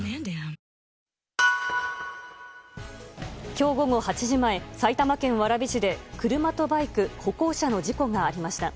今日午後８時前埼玉県蕨市で、車とバイク歩行者の事故がありました。